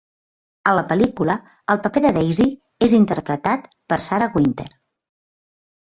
A la pel·lícula, el paper de Daisy és interpretat per Sarah Wynter.